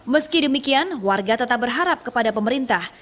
meski demikian warga tetap berharap kepada pemerintah